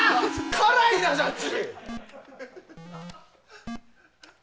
辛いなジャッジ！